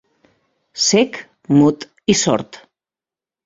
Cec, mut i sord.